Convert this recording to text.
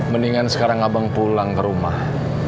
mendingan sekarang abang pulang ke rumah